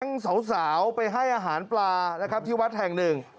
สาวไปให้อาหารปลานะครับที่วัดแห่งหนึ่ง